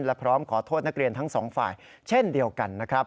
และพร้อมขอโทษนักเรียนทั้งสองฝ่ายเช่นเดียวกันนะครับ